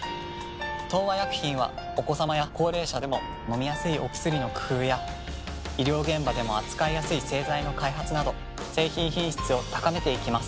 東和薬品はお子さまや高齢者でも飲みやすいお薬の工夫や医療現場でも扱いやすい製剤の開発など製品品質を高めていきます。